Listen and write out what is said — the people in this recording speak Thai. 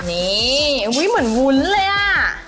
นี่อุ๊ยเหมือนหุ้นเลยอ่ะ